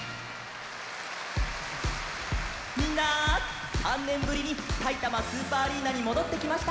みんな３ねんぶりにさいたまスーパーアリーナにもどってきました。